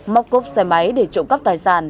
móc cốp xe máy để trộm cắp tài sản